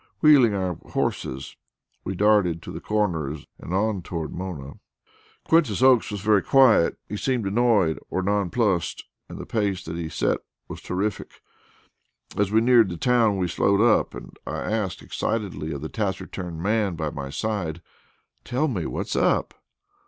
Wheeling our horses, we darted to the Corners and on toward Mona. Quintus Oakes was very quiet; he seemed annoyed or nonplussed and the pace that he set was terrific. As we neared the town we slowed up, and I asked excitedly of the taciturn man by my side: "Tell me, what's up?"